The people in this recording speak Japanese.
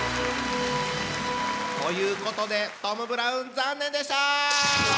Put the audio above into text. ということでトム・ブラウン残念でした！